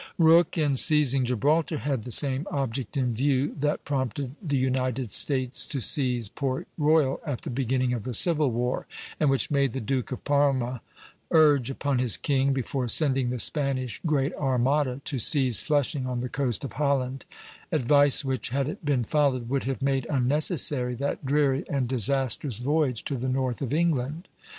Rooke, in seizing Gibraltar, had the same object in view that prompted the United States to seize Port Royal at the beginning of the Civil War, and which made the Duke of Parma urge upon his king, before sending the Spanish Great Armada, to seize Flushing on the coast of Holland, advice which, had it been followed, would have made unnecessary that dreary and disastrous voyage to the north of England.